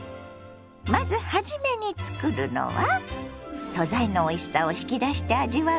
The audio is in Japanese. まず初めに作るのは素材のおいしさを引き出して味わう